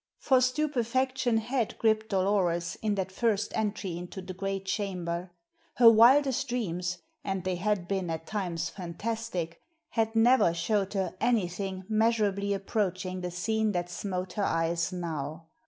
For stupefaction had gripped Dolores in that first entry into the great chamber. Her wildest dreams, and they had been at times fantastic, had never showed her anything measurably approaching the scene that smote her eyes now.